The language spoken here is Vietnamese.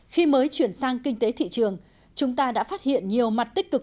khi mới chuyển sang kinh tế thị trường chúng ta đã phát hiện nhiều mặt tích cực